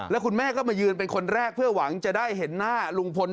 แล้วคุณแม่ก็มายืนเป็นคนแรกเพื่อหวังจะได้เห็นหน้าลุงพล